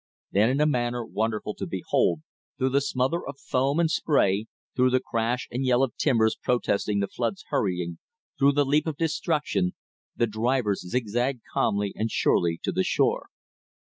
Then in a manner wonderful to behold, through the smother of foam and spray, through the crash and yell of timbers protesting the flood's hurrying, through the leap of destruction, the drivers zigzagged calmly and surely to the shore.